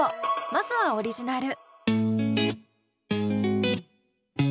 まずはオリジナル。